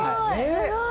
すごい！